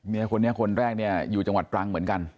คนนี้คนแรกเนี่ยอยู่จังหวัดตรังเหมือนกัน